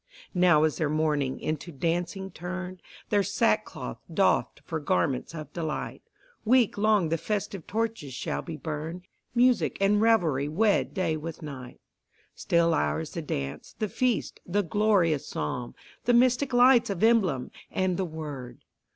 Now is their mourning into dancing turned, Their sackcloth doffed for garments of delight, Week long the festive torches shall be burned, Music and revelry wed day with night. Still ours the dance, the feast, the glorious Psalm, The mystic lights of emblem, and the Word.